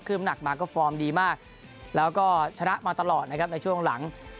หนักมาก็ฟอร์มดีมากแล้วก็ชนะมาตลอดนะครับในช่วงหลัง